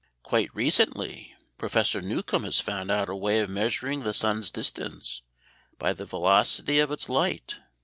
Quite recently Professor Newcomb has found out a way of measuring the sun's distance by the velocity of its light.